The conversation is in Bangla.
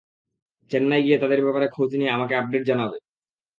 চেন্নাই গিয়ে তাদের ব্যাপারে খোঁজ নিয়ে আমাকে আপডেট জানাবে।